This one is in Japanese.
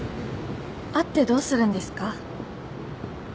会ってどうするんですか？